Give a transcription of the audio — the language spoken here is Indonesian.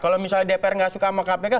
kalau misalnya dpr nggak suka sama kpk